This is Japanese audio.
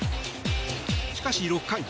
しかし６回。